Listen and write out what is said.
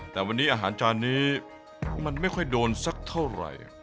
แต่วันนี้อาหารจานนี้มันไม่ค่อยโดนสักเท่าไหร่